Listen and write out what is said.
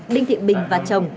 đinh thị bình và chồng